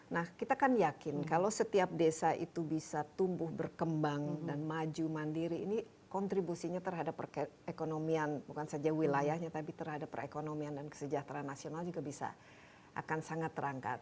nah kita kan yakin kalau setiap desa itu bisa tumbuh berkembang dan maju mandiri ini kontribusinya terhadap perekonomian bukan saja wilayahnya tapi terhadap perekonomian dan kesejahteraan nasional juga bisa akan sangat terangkat